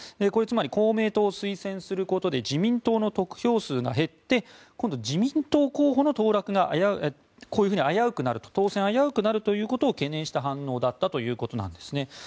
これはつまり公明党を推薦することで自民党の得票数が減って今度、自民党候補の当落がこういうふうに危うくなると当選が危うくなることを懸念した反応だったということです。